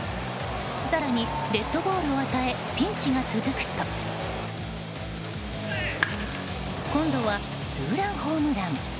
更にデッドボールを与えピンチが続くと今度はツーランホームラン。